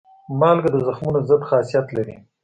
مالګه د زخمونو ضد خاصیت لري.